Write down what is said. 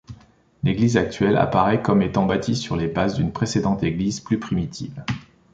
L'église actuelle apparait comme étant bâtie sur les bases d'une précédente église plus primitive.